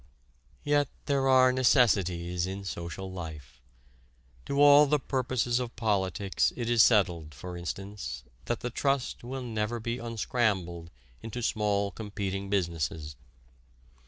Yet there are necessities in social life. To all the purposes of politics it is settled, for instance, that the trust will never be "unscrambled" into small competing businesses.